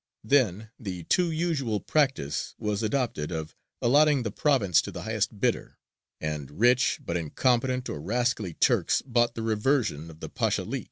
Then the too usual practice was adopted of allotting the province to the highest bidder, and rich but incompetent or rascally Turks bought the reversion of the Pashalik.